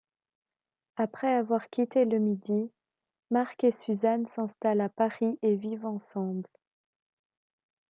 Après avoir quitté le Midi, Marc et Suzanne s'installent à Paris et vivent ensemble.